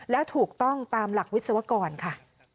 และถูกต้องตามหลักวิศวกรค่ะ